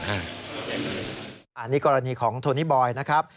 อันนี้กรณีของโทนี่บอยนะครับ